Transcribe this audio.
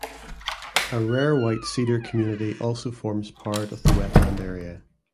A rare white cedar community also forms part of the wetland area.